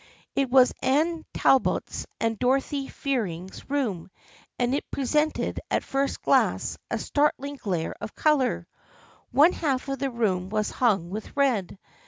It was Anne Talbot's and Dorothy Fearing's room and it presented at first glance a startling glare of color. One half of the room was hung with red.